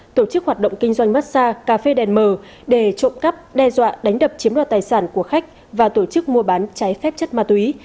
tổ chức hoạt động kinh doanh massag cà phê đèn mờ để trộm cắp đe dọa đánh đập chiếm đoạt tài sản của khách và tổ chức mua bán trái phép chất ma túy